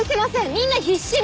みんな必死で！